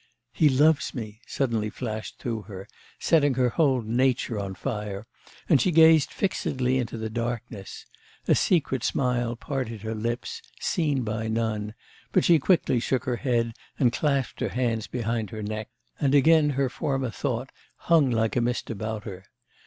'He loves me!' suddenly flashed through her, setting her whole nature on fire, and she gazed fixedly into the darkness; a secret smile parted her lips, seen by none, but she quickly shook her head, and clasped her hands behind her neck, and again her former thought hung like a mist about her.